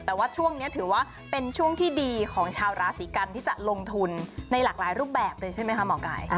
แต่ว่าช่วงนี้ถือว่าเป็นช่วงที่ดีของชาวราศีกันที่จะลงทุนในหลากหลายรูปแบบเลยใช่ไหมคะหมอไก่